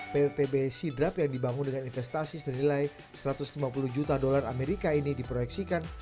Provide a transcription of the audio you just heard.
pltb sidrap yang dibangun dengan investasi senilai satu ratus lima puluh juta dolar amerika ini diproyeksikan